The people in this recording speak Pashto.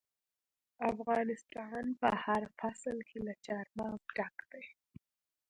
افغانستان په هر فصل کې له چار مغز ډک دی.